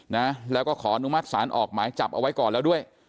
นะแล้วก็ขออนุมัติศาลออกหมายจับเอาไว้ก่อนแล้วด้วย